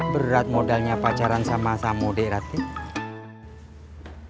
berat modalnya pacaran sama asam model ratih